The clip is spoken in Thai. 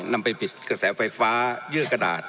นำไปปิดกระแสไฟฟ้าเยื่อกระดาษ